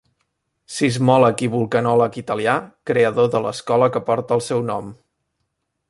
Sismòleg i vulcanòleg italià, creador de l'escala que porta el seu nom.